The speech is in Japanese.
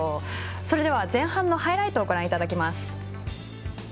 前半のハイライトをご覧いただきます。